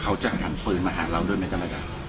เขาจะหันฟืนมาหาเราด้วยไหมเจอเระ